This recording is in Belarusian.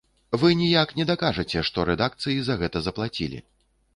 І вы ніяк не дакажаце, што рэдакцыі за гэта заплацілі.